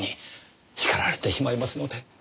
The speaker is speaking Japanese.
叱られてしまいますので。